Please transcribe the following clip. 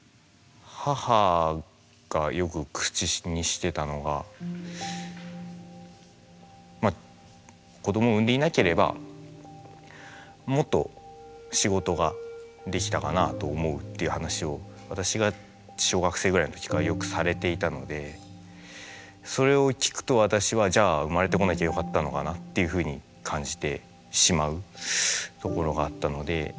母がよく口にしてたのが「子供を産んでいなければもっと仕事ができたかなあと思う」っていう話を私が小学生ぐらいの時からよくされていたのでそれを聞くと私はじゃあっていうふうに感じてしまうところがあったので。